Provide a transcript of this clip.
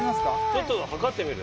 ちょっと測ってみる？